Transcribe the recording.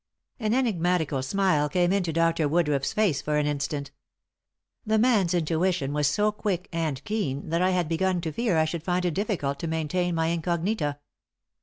An enigmatical smile came into Dr. Woodruff's face for an instant. The man's intuition was so quick and keen that I had begun to fear I should find it difficult to maintain my incognita.